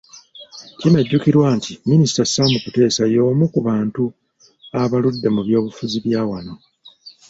Kinajjukirwa nti Minisita Sam Kuteesa y'omu ku bantu abaludde mu by'obufuzi bya wano.